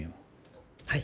はい。